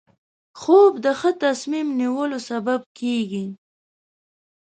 خوب د ښه تصمیم نیولو سبب کېږي